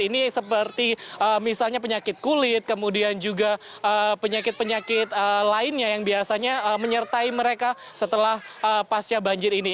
ini seperti misalnya penyakit kulit kemudian juga penyakit penyakit lainnya yang biasanya menyertai mereka setelah pasca banjir ini